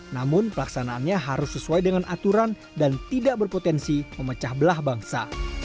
namun pelaksanaannya harus sesuai dengan aturan dan tidak berpotensi memecah belah bangsa